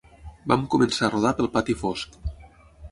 Vam començar a rodar pel pati fosc